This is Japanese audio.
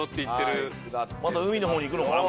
また海の方に行くのかな？